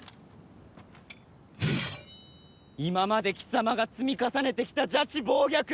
今まで貴様が積み重ねてきた邪智暴虐。